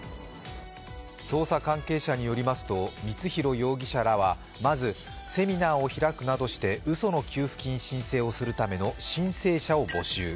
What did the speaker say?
捜査関係者によりますと光弘容疑者らはまずセミナーを開くなどしてうその給付金申請をするための申請者を募集。